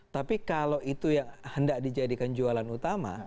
tapi kalau itu yang hendak dijadikan jualan utama